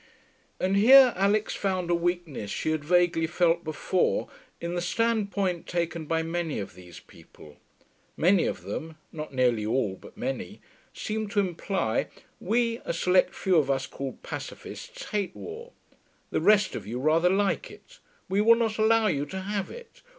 And here Alix found a weakness she had vaguely felt before in the standpoint taken by many of these people. Many of them (not nearly all, but many) seemed to imply, 'We, a select few of us called Pacificists, hate war. The rest of you rather like it. We will not allow you to have it.